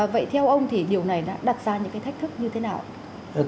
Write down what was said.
vậy theo ông thì điều này đã đặt ra những cái thách thức như thế nào ạ